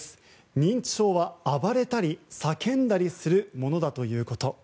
認知症は暴れたり叫んだりするものだということ。